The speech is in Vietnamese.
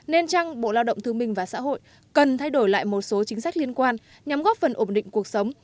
nên chăng bộ lao động thương minh và xã hội cần thay đổi lại một số chính sách liên quan nhằm góp phần ổn định cuộc sống